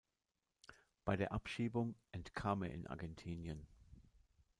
Bei der Abschiebung entkam er in Argentinien.